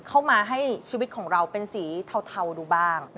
เข้ามาให้ชีวิตของเราเป็นสีเทาดูบ้าง